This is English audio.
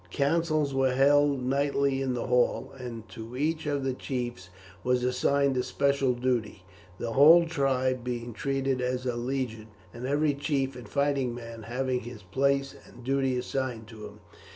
Councils were held nightly in the hall, and to each of the chiefs was assigned a special duty, the whole tribe being treated as a legion, and every chief and fighting man having his place and duty assigned to him.